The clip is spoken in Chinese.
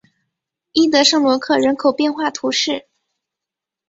伊德圣罗克人口变化图示